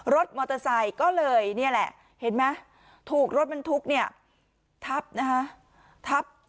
รถมอเตอร์ไซค์ก็เลยเห็นไหมถูกรถมันถูกทับ